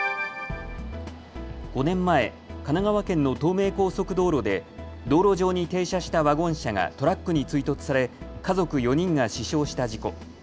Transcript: ５年前、神奈川県の東名高速道路で道路上に停車したワゴン車がトラックに追突され家族４人が死傷した事故。